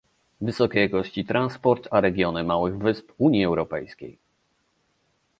Wysokiej jakości transport a regiony małych wysp Unii Europejskiej